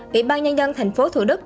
ủy ban nhân dân tp hcm